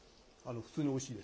普通においしいです。